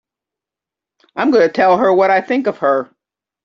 I'm going to tell her what I think of her!